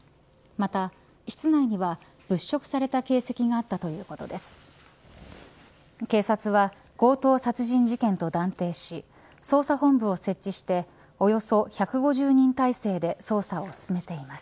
また室内には物色された形跡があったということです。